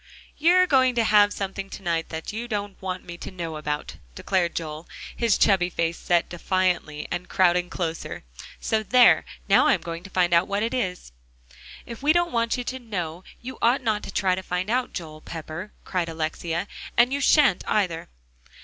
"You're going to have something to night that you don't want me to know about," declared Joel, his chubby face set defiantly, and crowding closer; "so there; now I'm going to find out what it is." "If we don't want you to know, you ought not to try to find out, Joel Pepper," cried Alexia. "And you shan't, either."